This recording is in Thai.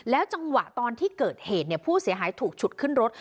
จังหวะตอนที่เกิดเหตุผู้เสียหายถูกฉุดขึ้นรถ